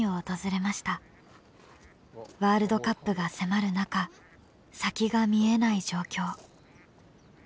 ワールドカップが迫る中先が見えない状況。